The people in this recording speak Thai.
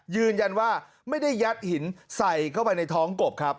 ยืนยันว่าไม่ได้ยัดหินใส่เข้าไปในท้องกบครับ